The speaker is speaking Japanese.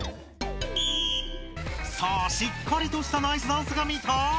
さあしっかりとしたナイスダンスが見たい！